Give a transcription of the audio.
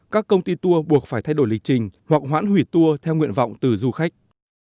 các công ty tour buộc phải thay đổi lịch trình hoặc hoãn hủy tour theo nguyện vọng từ du khách